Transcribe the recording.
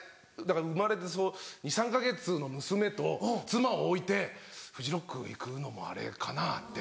生まれて２３か月の娘と妻を置いてフジロック行くのもあれかなって。